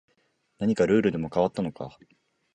何かルールでも変わったのか